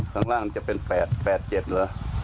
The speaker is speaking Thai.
ข้างล่างจะเป็น๘๘๗เหรอ๐๘๗๐๗๘๗๔